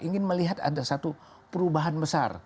ingin melihat ada satu perubahan besar